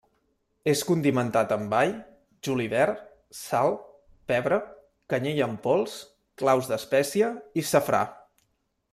És condimentat amb all, julivert, sal, pebre, canyella en pols, claus d'espècie i safrà.